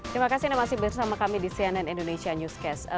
terima kasih anda masih bersama kami di cnn indonesia newscast